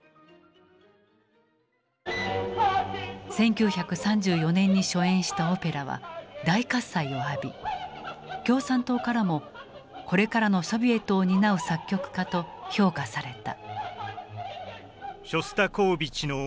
１９３４年に初演したオペラは大喝采を浴び共産党からもこれからのソビエトを担う作曲家と評価された。